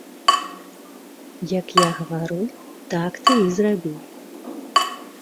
Як я гавару, так ты і зрабі.